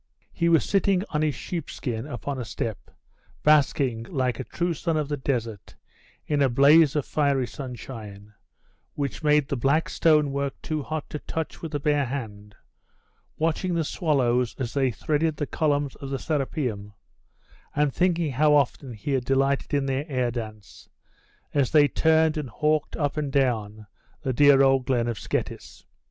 He was sitting on his sheepskin upon a step, basking, like a true son of the desert, in a blaze of fiery sunshine, which made the black stone work too hot to touch with the bare hand, watching the swallows, as they threaded the columns of the Serapeium, and thinking how often he had delighted in their air dance, as they turned and hawked up and down the dear old glen at Scetis.